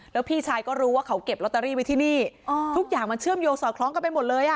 แล้วพี่ชายก็รู้ว่าเขาเก็บลอตเตอรี่ไว้ที่นี่ทุกอย่างมันเชื่อมโยงสอดคล้องกันไปหมดเลยอ่ะ